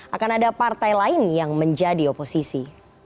akan ada partai lain yang menjadi oposisi